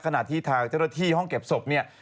ขณะที่ทางเจ้าหน้าที่ห้องเก็บศพเนี่ย